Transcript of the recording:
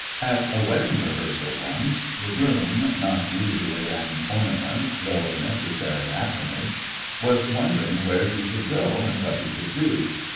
" At a wedding rehearsal once the groom, not " The bride usually an ornament, though a necessary appanage, was wondering where he should go and what he should do.